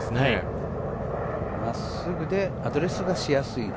真っすぐでアドレスがしやすい。